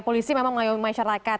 polisi memang melayani masyarakat